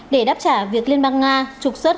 để đáp trả việc liên bang nga trục xuất